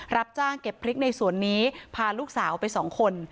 รับจ้างเก็บพริกในสวนนี้พาลูกสาวไปสองคน